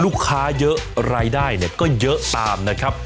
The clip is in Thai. ลูกค้าเยอะรายได้เนี่ยก็เยอะตามนะครับ